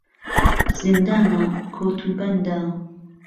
زیندانه کۆتوبهنده